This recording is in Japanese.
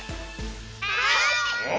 はい！